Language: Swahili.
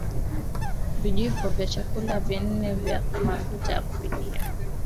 Vijiko vya chakula nne vya mafuta ya kupikia